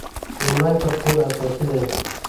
لومړی فکټور اساسي دی.